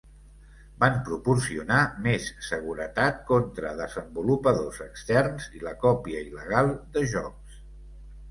Van proporcionar més seguretat contra desenvolupadors externs i la còpia il·legal de jocs.